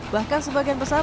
bahkan sebagian besar